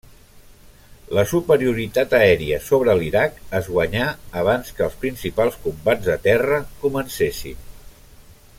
La superioritat aèria sobre l'Iraq es guanyà abans que els principals combats de terra comencessin.